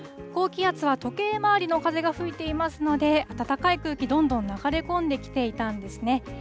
高気圧は時計回りの風が吹いていますので、暖かい空気、どんどん流れ込んできていたんですね。